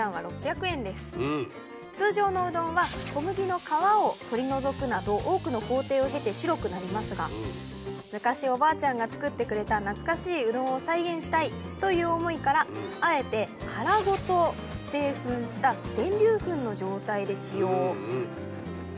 通常のうどんは小麦の皮を取り除くなど多くの工程を経て白くなりますが昔おばあちゃんが作ってくれた懐かしいうどんを再現したいという思いからあえて殻ごと製粉した全粒粉の状態で使用。